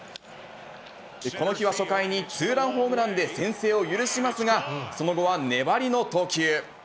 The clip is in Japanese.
この日は初回にツーランホームランで先制を許しますが、その後は粘りの投球。